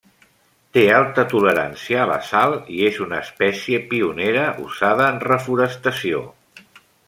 Té alta tolerància a la sal i és una espècie pionera usada en reforestació.